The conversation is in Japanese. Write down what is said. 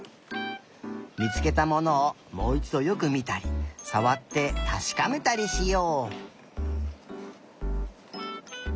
みつけたものをもういちどよくみたりさわってたしかめたりしよう。